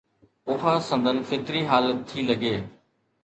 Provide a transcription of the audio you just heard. اها سندن فطري حالت ٿي لڳي.